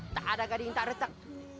tak ada yang tak datang